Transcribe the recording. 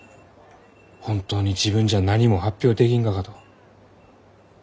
本当に自分じゃ何も発表できんがかと。